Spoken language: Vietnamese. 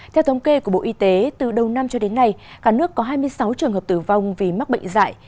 theo thống kê của bộ y tế từ đầu năm cho đến nay cả nước có hai mươi sáu trường hợp tử vong vì mắc bệnh dạy